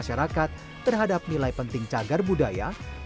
masyarakat terhadap nilai penting cagar budaya untuk pembangunan